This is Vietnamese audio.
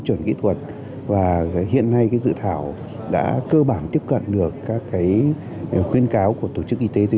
thảo luật và hiện nay cái dự thảo đã cơ bản tiếp cận được các cái khuyến cáo của tổ chức y tế thế